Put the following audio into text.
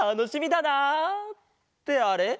ってあれ？